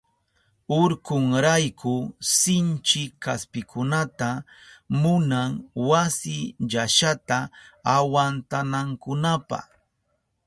Urkunrayku sinchi kaspikunata munan wasi llashata awantanankunapa.